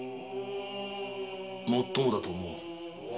もっともだと思う。